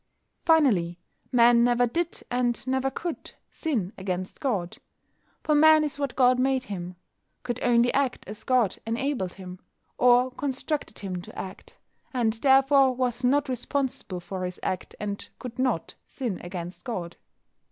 Finally, Man never did, and never could, sin against God. For Man is what God made him; could only act as God enabled him, or constructed him to act, and therefore was not responsible for his act, and could not sin against God.